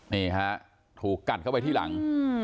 นี่ฮะถูกกัดเข้าไปที่หลัง